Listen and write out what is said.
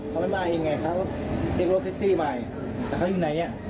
เขาไม่มาเองไงคะเขาเรียกรถแท็กซี่มา